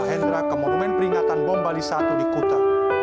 alif lantas mengajak mahendra ke monumen peringatan bombali i di kuta